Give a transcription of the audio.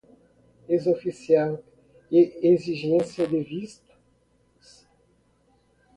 ex-oficial e exigência de vistos